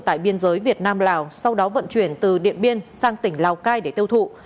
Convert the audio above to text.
tại biên giới việt nam lào sau đó vận chuyển từ điện biên sang tỉnh lào cai để tiêu thụ